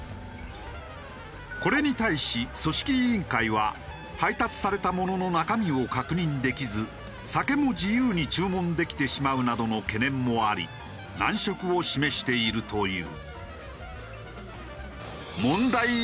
これに対し組織委員会は配達されたものの中身を確認できず酒も自由に注文できてしまうなどの懸念もあり難色を示しているという。